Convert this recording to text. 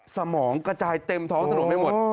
สมองกระจายเต็มท้องถนนไปหมด